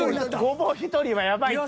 ゴボウ１人はやばいって。